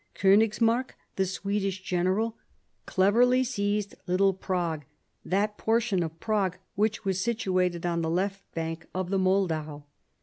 Konigsmark, the Swedish general, cleverly seized Little Prague, that portion of Prague which was situated on the left bank of the Moldau.